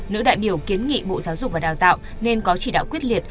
nữ đại biểu kiến nghị bộ giáo dục và đào tạo nên có chỉ đạo quyết liệt